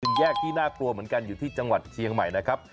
เป็นแยกที่น่ากลัวเหมือนกันอยู่ที่จังหวัดเชียงใหม่นะครับ